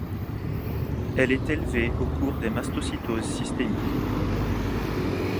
Elle est élevée au cours des mastocytoses systémiques.